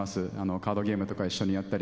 カードゲームとかを一緒にやった